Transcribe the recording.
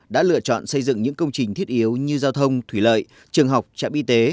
đã lựa chọn xây dựng những công trình thiết yếu như giao thông thủy lợi trường học trạm y tế